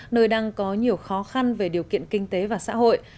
nơi đang có nhiều khó khăn về điều kiện kinh tế và xã hội